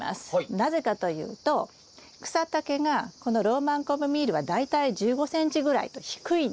なぜかというと草丈がこのローマンカモミールは大体１５ｃｍぐらいと低いんです。